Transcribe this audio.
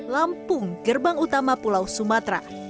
lampung gerbang utama pulau sumatera